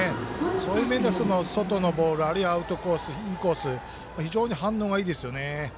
そういう面では、外のボールあるいはアウトコース、インコース非常に反応がいいですよね。